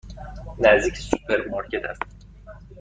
نزدیک سوپرمارکت است.